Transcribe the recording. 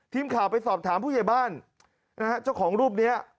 ทีมข่าวไปสอบถามผู้ใหญ่บ้านนะฮะเจ้าของรูปนี้